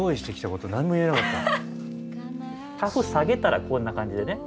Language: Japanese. カフ下げたらこんな感じでね